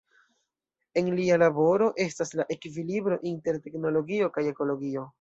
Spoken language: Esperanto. En lia laboro estas la ekvilibro inter teknologio kaj ekologio.